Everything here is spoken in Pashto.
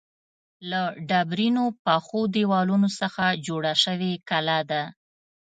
له ډبرینو پخو دیوالونو څخه جوړه شوې کلا ده.